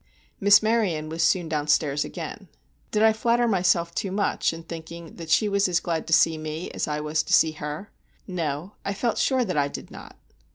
Miss Maryon was soon down stairs again. Did I flatter myself too much in thinking that she was as glad to see me as I was to see her? No—I felt sure that I did not.